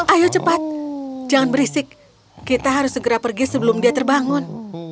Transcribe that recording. ayo cepat jangan berisik kita harus segera pergi sebelum dia terbangun